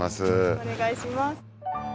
お願いします。